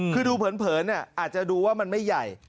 คือดูเผินอาจจะดูว่ามันไม่ใหญ่